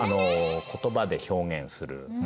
言葉で表現する。